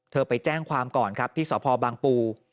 เธอไปแจ้งความก่อนที่สภบางปู